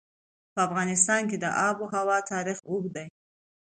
په افغانستان کې د آب وهوا تاریخ اوږد دی.